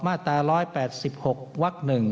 มาตรา๑๘๖วัก๑